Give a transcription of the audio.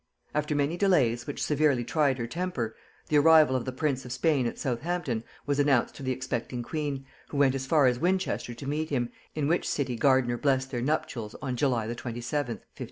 After many delays which severely tried her temper, the arrival of the prince of Spain at Southampton was announced to the expecting queen, who went as far as Winchester to meet him, in which city Gardiner blessed their nuptials on July the 27th, 1554.